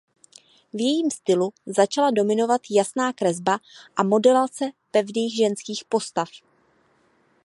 V jejím stylu začala dominovat jasná kresba a modelace pevných ženských postav.